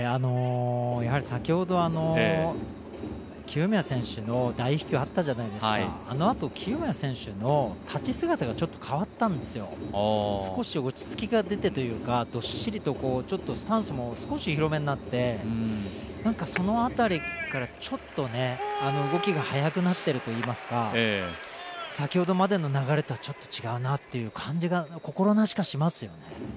先ほど清宮選手の大飛球あったじゃないですか、あのあと清宮選手の立ち姿がちょっと変わったんですよ、少し落ち着きが出てというか、どっしりと、ちょっとスタンスも少し広めになって、その辺りからちょっと動きが速くなっていると言いますか、先ほどまでの流れとはちょっと違うなという感じが心なしかしますよね。